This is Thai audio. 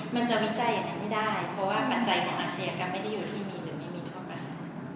มันจะวิจัยอย่างนั้นไม่ได้เพราะว่าปัจจัยของอาชญากรรมไม่ได้อยู่ที่มีหรือไม่มีเท่ากัน